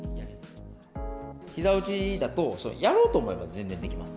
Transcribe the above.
ひざ撃ちだと、やろうと思えば全然できます。